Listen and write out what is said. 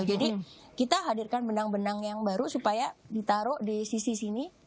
jadi kita hadirkan benang benang yang baru supaya ditaruh di sisi sini